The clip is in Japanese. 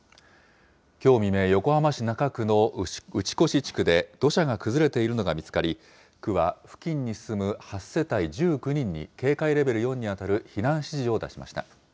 きょう未明、横浜市中区の打越地区で土砂が崩れているのが見つかり、区は付近に住む８世帯１９人に警戒レベル４に当たる避難指示を出しました。